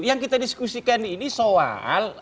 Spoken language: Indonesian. yang kita diskusikan ini soal